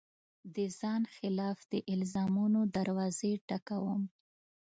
د ځان خلاف د الزامونو دروازې ټک وم